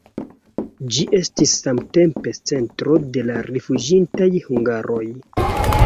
Ĝi estis samtempe centro de la rifuĝintaj hungaroj.